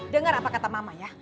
dengar apa kata mama ya